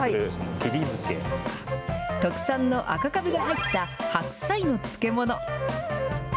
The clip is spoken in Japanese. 特産の赤かぶが入った白菜の漬物。